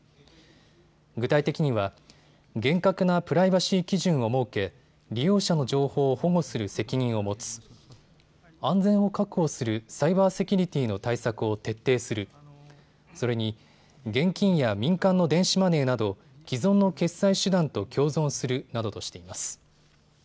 具体的には厳格なプライバシー基準を設け利用者の情報を保護する責任を持つ、安全を確保するサイバーセキュリティーの対策を徹底する、それに現金や民間の電子マネーなど既存の決済手段と共存するなどとしています。